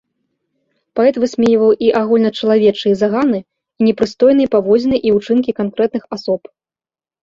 Паэт высмейваў і агульначалавечыя заганы, і непрыстойныя паводзіны і ўчынкі канкрэтных асоб.